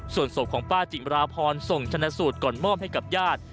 ส่วนศพของป้าจิมราพรส่งชนะสูตรก่อนมอบให้กับญาติ